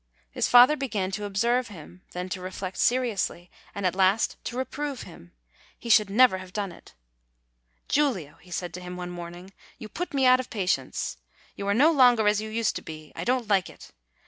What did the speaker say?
His father began to observe him, then to reflect seriously, and at last to reprove him. He should never have done it! "Giulio," he said to him one morning, "you put me out of patience; you are no longer as you used to be. I don't like it.